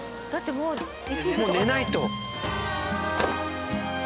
もう寝ないと！